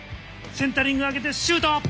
センタリング上げてシュート。